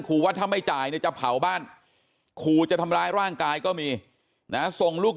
ครูว่าถ้าไม่จ่ายจะเผาบ้านครูจะทำร้ายร่างกายก็มีส่งลูก